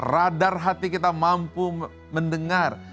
radar hati kita mampu mendengar